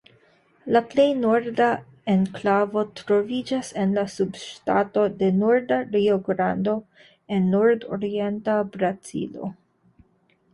La plej norda enklavo troviĝas en la subŝtato de Norda Rio-Grando en nordorienta Brazilo.